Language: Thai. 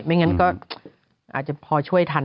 ไม่งั้นก็อาจจะพอช่วยทัน